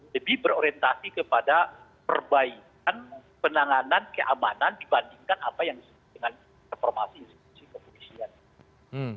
lebih berorientasi kepada perbaikan penanganan keamanan dibandingkan apa yang disebut dengan reformasi institusi kepolisian